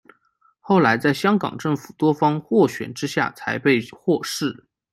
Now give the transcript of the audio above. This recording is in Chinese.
后来在香港政府多方斡旋之下才被获释。